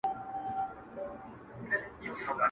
د یوه کاري سفر پر مهال لیکلې